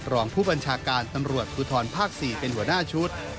รองผู้บัญชาการตำรวจภูทรภาค๔เป็นหัวหน้าชุด